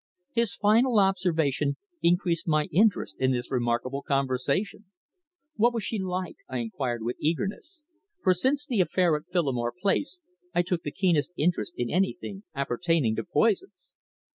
His final observation increased my interest in this remarkable conversation. "What was she like?" I inquired with eagerness, for since the affair at Phillimore Place I took the keenest interest in anything appertaining to poisons.